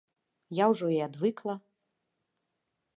Я ўжо і адвыкла.